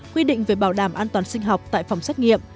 quy định về bảo đảm an toàn sinh học tại phòng xét nghiệm